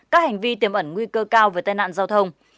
các hành vi tiềm ẩn nguy cơ cao về tai nạn giao thông